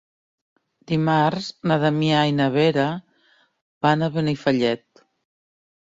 Dimarts na Damià i na Vera van a Benifallet.